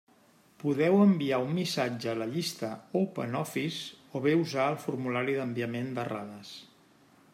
Podeu enviar un missatge a la llista Open Office o bé usar el formulari d'enviament d'errades.